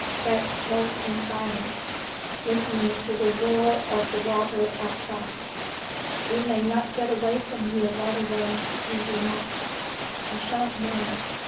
Fred smoked in silence, listening to the roar of the water outside. "We may not get away from here right away," he remarked. "I shan't mind.